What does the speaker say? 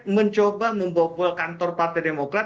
mencoba membobol kantor partai demokrat